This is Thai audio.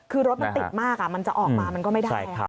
คือรถมันติดมากมันจะออกมามันก็ไม่ได้ค่ะ